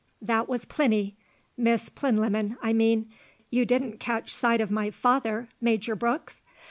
"That was Plinny Miss Plinlimmon, I mean. You didn't catch sight of my father Major Brooks?"